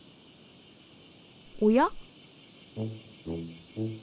おや？